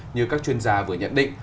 như các chuyên gia vừa nhận định